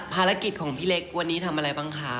ภารกิจของพี่เล็กวันนี้ทำอะไรบ้างคะ